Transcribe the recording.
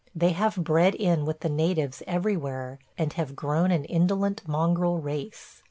They have bred in with the natives everywhere and have grown an indolent mongrel race.